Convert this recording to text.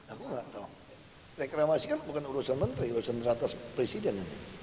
aku gak tau reklamasi kan bukan urusan menteri urusan teratas presiden